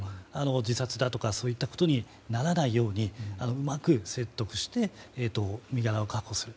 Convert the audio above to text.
自殺だとかそういったことにならないようにうまく説得して身柄を確保する。